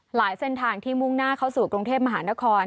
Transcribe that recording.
เส้นทางที่มุ่งหน้าเข้าสู่กรุงเทพมหานคร